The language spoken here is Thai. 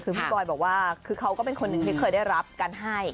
คือพี่บอยบอกว่าคือเขาก็เป็นคนหนึ่งที่เคยได้รับการให้